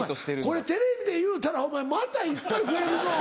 これテレビで言うたらお前またいっぱい増えるぞ。